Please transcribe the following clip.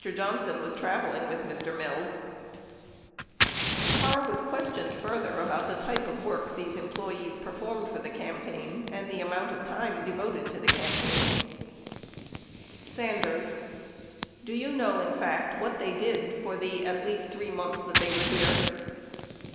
Johnson was traveling with Mr. Mills Parr was questioned further about the type of work these employees performed for the campaign, and the amount of time devoted to the campaign : Sanders. Do you know, in fact, what they did for the at least three months that they were here